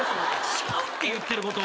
違うって言ってること！